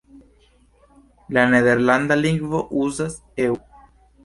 La Nederlanda lingvo uzas "eu".